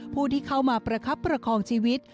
ผู้ที่เข้ามาประคับประคองชีวิต